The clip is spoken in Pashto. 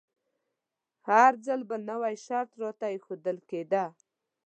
هر ځل به نوی شرط راته ایښودل کیده.